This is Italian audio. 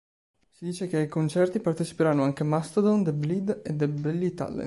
Si dice che ai concerti parteciperanno anche Mastodon, The Bled e Billy Talent.